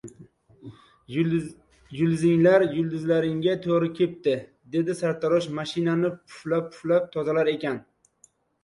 — Yulduzinglar yulduzlaringga to‘g‘ri kepti! — dedi sartarosh mashinani puflab-puflab tozalar ekan.